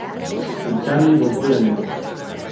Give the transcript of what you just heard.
Itzali bozgorailuak.